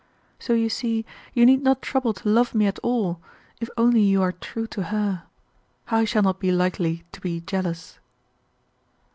So you see you need not trouble to love me at all, if only you are true to her. I shall not be likely to be jealous."